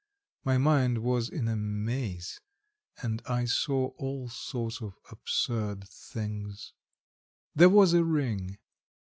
My mind was in a maze, and I saw all sorts of absurd things. There was a ring.